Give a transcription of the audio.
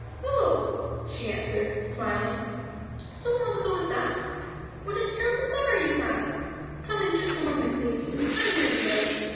"Oh!" she answered, smiling, "so long ago as that? What a terrible memory you have! Come in just a moment, please; I'm nearly ready."